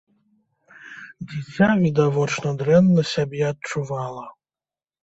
Дзіця відавочна дрэнна сябе адчувала.